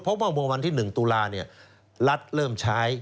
เพราะว่าเมื่อวันที่๑ตุลารัฐเริ่มใช้